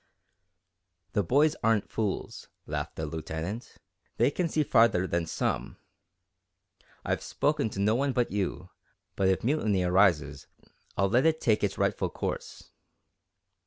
"The boys aren't fools," laughed the Lieutenant. "They can see farther than some. I've spoken to no one but you, but if mutiny arises, I'll let it take its rightful course."